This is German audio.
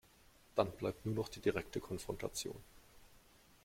Dann bleibt nur noch die direkte Konfrontation.